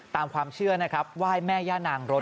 ตามความเชื่อนะครับไหว้แม่ย่านางรถ